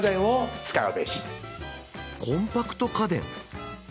コンパクト家電？